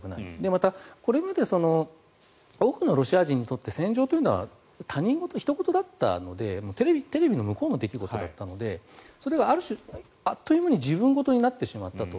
更に、これまで多くのロシア人にとって戦場というのは他人事だったのでテレビの向こうの出来事だったのでそれがある種、あっという間に自分事になってしまったと。